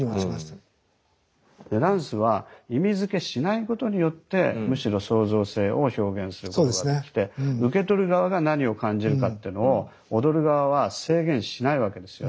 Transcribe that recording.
いやダンスは意味づけしないことによってむしろ創造性を表現することができて受け取る側が何を感じるかってのを踊る側は制限しないわけですよね。